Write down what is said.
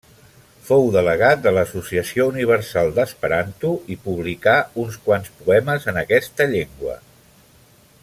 Fou delegat de l'Associació Universal d'Esperanto i publicà uns quants poemes en aquesta llengua.